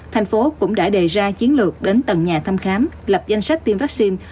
tp hcm cũng đã đề ra chiến lược đến tận nhà thăm khám lập danh sách tiêm vaccine